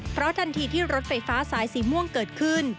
เพราะทันทีที่รถไฟฟ้าสายสีม่วงเกิดขึ้น